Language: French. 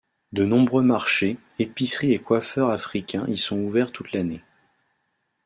De nombreux marchés, épiceries et coiffeurs africains y sont ouverts toute l'année.